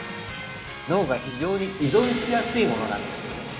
脳が非常に依存しやすいものなんですよね